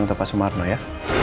untuk pak soemarno ya